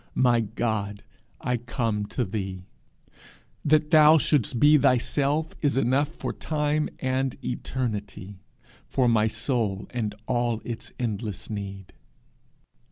My God, I come to thee. That thou shouldst be thyself is enough for time and eternity, for my soul and all its endless need.